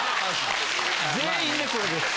全員でこれです。